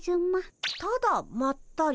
ただまったり。